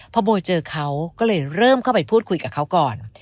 พอโบเจอเขาก็เลยเริ่มเข้าไปพูดคุยกับเขาก่อน